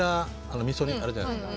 あのみそ煮あるじゃないですか。